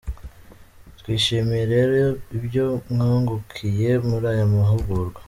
Twishimiye rero ibyo mwungukiye muri aya mahugurwa”.